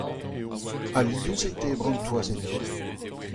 alies e tebran toazennoù.